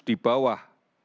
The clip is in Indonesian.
di bawah sepuluh